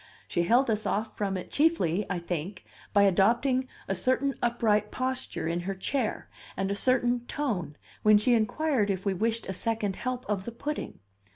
She held us off from it chiefly, I think, by adopting a certain upright posture in her chair, and a certain tone when she inquired if we wished a second help of the pudding.